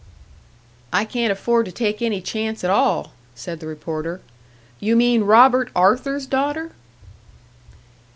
"I can't afford to take any chance at all," said the reporter. "You mean Robert Arthur's daughter?"